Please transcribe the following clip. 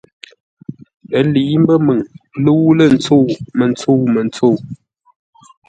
Ə́ lə̌i mbə́ məŋ lə́u-lə̂-ntsəu, mə́ntsə́u-mə́ntsə́u.